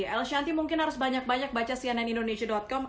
ail shanti mungkin harus banyak banyak baca cnn indonesia com